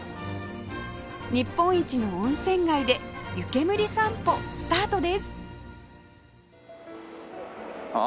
日本一の温泉街で湯けむり散歩スタートです